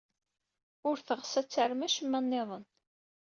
Ur teɣs ad tarem acemma niḍen.